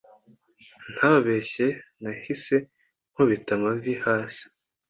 ntababeshye nahise nkubita amavi hasi,